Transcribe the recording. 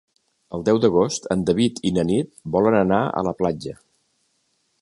El deu d'agost en David i na Nit volen anar a la platja.